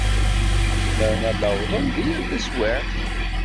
Zemren ad d-awḍen deg yal taswiɛt.